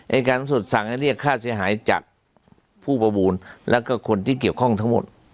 อายการสูงสุดสั่งให้เรียกค่าเสียหายจากผู้ประมูลแล้วก็คนที่เกี่ยวข้องทั้งหมด